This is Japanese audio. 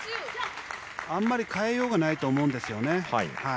あんまり変えようがないと思うんですよね。